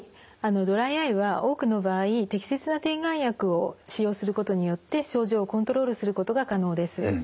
ドライアイは多くの場合適切な点眼薬を使用することによって症状をコントロールすることが可能です。